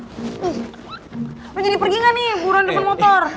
udah jadi pergi gak nih buruan depan motor